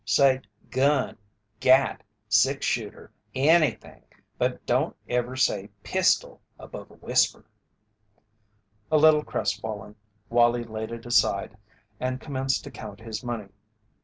Say 'gun,' 'gat,' 'six shooter,' anything, but don't ever say 'pistol' above a whisper." A little crest fallen, Wallie laid it aside and commenced to count his money.